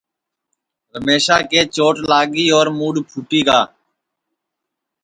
رمیشا کے چوٹ لاگی اور مُڈؔ پُھٹی گا